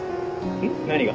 ん？何が？